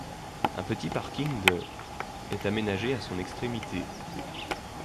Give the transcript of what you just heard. Un petit parking de est aménagé à son extrémité.